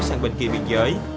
sang bên kia biên giới